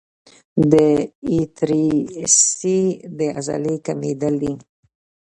د ایټریسي د عضلې کمېدل دي.